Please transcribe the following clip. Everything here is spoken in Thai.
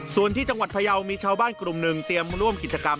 ส่วนที่จังหวัดพยาวมีชาวบ้านกลุ่มหนึ่งเตรียมร่วมกิจกรรม